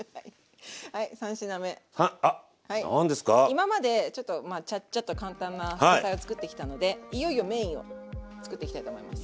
今までちょっとまあちゃっちゃと簡単な副菜を作ってきたのでいよいよメインを作っていきたいと思います。